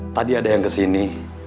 tadi ada yang kesini